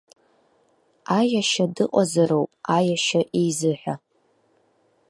Аиашьа дыҟазароуп аиашьа изыҳәа!